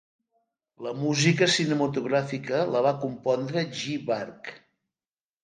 La música cinematogràfica, la va compondre Ji Bark.